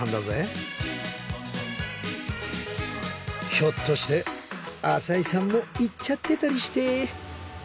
ひょっとして浅井さんも行っちゃってたりして？